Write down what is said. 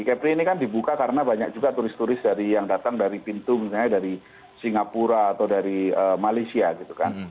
kepri ini kan dibuka karena banyak juga turis turis dari yang datang dari pintu misalnya dari singapura atau dari malaysia gitu kan